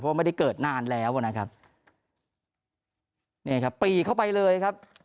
เพราะว่าไม่ได้เกิดนานแล้วนะครับนี่ครับปีเข้าไปเลยครับ